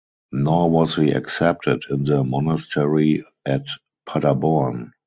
Nor was he accepted in the monastery at Paderborn.